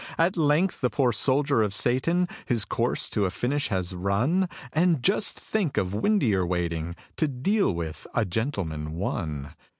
At length the poor soldier of Satan His course to a finish has run And just think of Windeyer waiting To deal with "A Gentleman, One"!